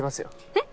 えっ！